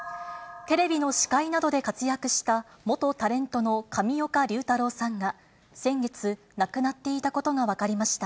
テレビの司会などで活躍した、元タレントの上岡龍太郎さんが、先月、亡くなっていたことが分かりました。